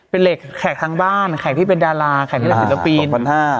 เป็นเหล็กแขกทางบ้านแขกที่เป็นดาราแขกที่เป็นศัลปีนอ่าสองพันห้า